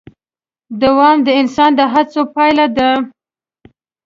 دوام د انسان د هڅو پایله ده.